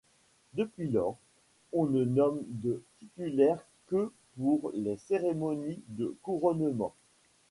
Depuis lors, on ne nomme de titulaires que pour les cérémonies de couronnement.